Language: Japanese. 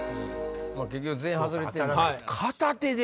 結局全員外れてんねや。